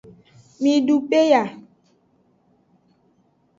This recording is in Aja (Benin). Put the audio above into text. Midu peya.